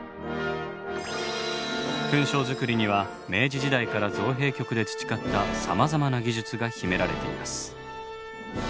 勲章造りには明治時代から造幣局で培ったさまざまな技術が秘められています。